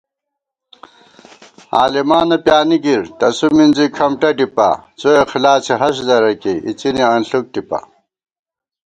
عالِمانہ پیانِی گِر، تسُو مِنزی کھمٹہ ڈِپا * څواخلاصےہست درہ کېئی اِڅِنےانݪُک ٹِپا